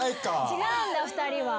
違うんだ２人は。